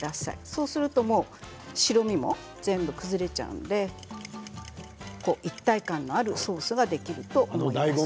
そうすると白身も全部崩れちゃうので一体感のあるソースができると思います。